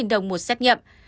bảy mươi tám đồng một xét nghiệm